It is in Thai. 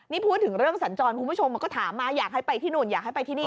นี่พูดถึงเรื่องสัญจรคุณผู้ชมก็ถามมาอยากให้ไปที่นู่นอยากให้ไปที่นี่